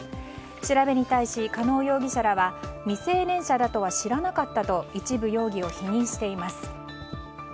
調べに対し、加納容疑者らは未成年者だとは知らなかったと一部容疑を否認しています。